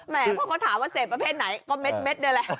พวกเขาถามว่าเสพประเภทไหนก็เม็ดนี่แหละ